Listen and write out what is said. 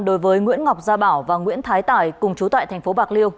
đối với nguyễn ngọc gia bảo và nguyễn thái tải cùng chú tại thành phố bạc liêu